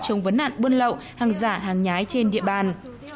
chống vấn nạn buôn lậu hàng giả hàng nhái trên địa bàn